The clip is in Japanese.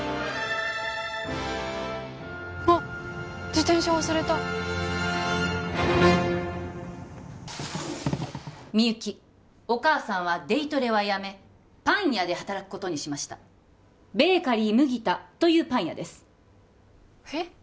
あっ自転車忘れたみゆきお母さんはデイトレはやめパン屋で働くことにしましたベーカリー麦田というパン屋ですへっ？